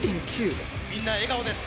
みんな笑顔です。